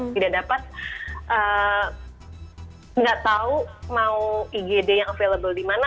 tidak dapat nggak tahu mau igd yang available di mana